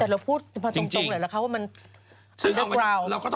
แต่เราพูดคงเลยรึค่ะว่า